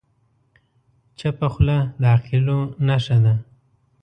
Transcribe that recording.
چپه خوله، د عاقلو نښه ده.